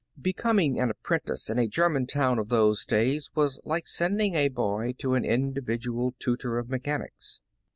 Becoming an apprentice in a German town of those days, was like sending a boy to an individual tutor of mechanics.